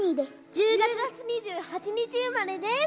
１０月２８日生まれです。